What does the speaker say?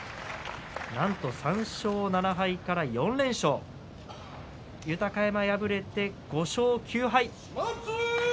なんと３勝７敗から４連勝豊山敗れて、５勝９敗。